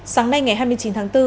sáng nay ngày hai mươi chín tháng bốn